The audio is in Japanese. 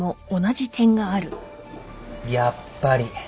やっぱり。